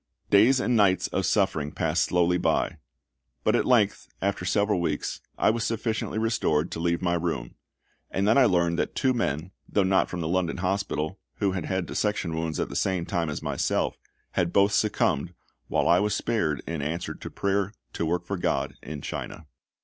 Days and nights of suffering passed slowly by; but at length, after several weeks, I was sufficiently restored to leave my room; and then I learned that two men, though not from the London Hospital, who had had dissection wounds at the same time as myself, had both succumbed, while I was spared in answer to prayer to work for GOD in China.